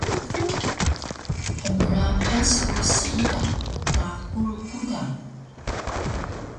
hmrapas ku siida mtakur ku da